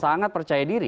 sangat percaya diri